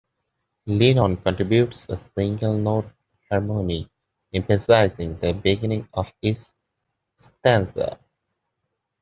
Lennon contributes a single note harmony emphasising the beginning of each stanza.